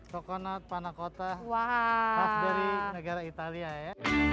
coconut panakota khas dari negara italia ya